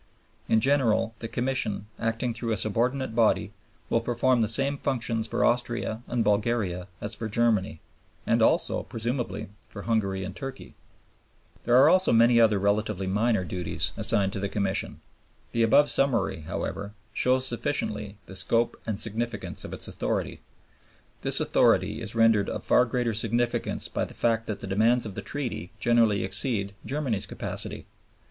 In general, the Commission, acting through a subordinate body, will perform the same functions for Austria and Bulgaria as for Germany, and also, presumably, for Hungary and Turkey. There are also many other relatively minor duties assigned to the Commission. The above summary, however, shows sufficiently the scope and significance of its authority. This authority is rendered of far greater significance by the fact that the demands of the Treaty generally exceed Germany's capacity.